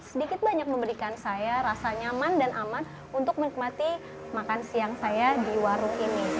sedikit banyak memberikan saya rasa nyaman dan aman untuk menikmati makan siang saya di warung ini